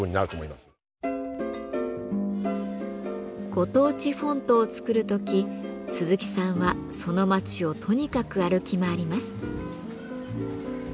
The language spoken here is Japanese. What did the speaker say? ご当地フォントを作る時鈴木さんはその街をとにかく歩き回ります。